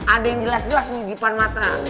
ada yang jelas jelas nih di depan mata